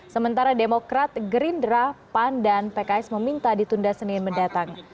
sementara demokrat gerindra pandan pks meminta ditunda senin mendatang